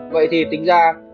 vậy thì tính ra